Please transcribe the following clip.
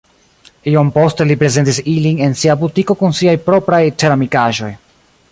Iom poste li prezentis ilin en sia butiko kun siaj propraj ceramikaĵoj.